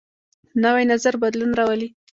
نوی نظر بدلون راولي